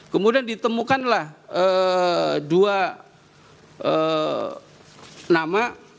kemudian ditemukanlah dua nama